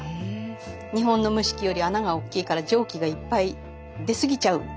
日本の蒸し器より穴がおっきいから蒸気がいっぱい出過ぎちゃうんですけど。